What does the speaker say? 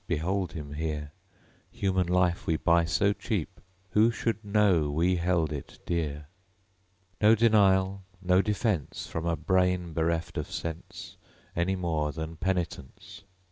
Behold him here. (Human life we buy so cheap, Who should know we held it dear?) No denial, no defence From a brain bereft of sense, Any more than penitence.